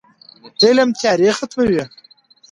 علم تیارې ختموي.